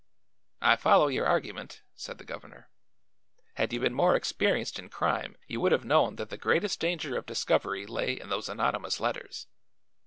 "I follow your argument," said the governor. "Had you been more experienced in crime you would have known that the greatest danger of discovery lay in those anonymous letters.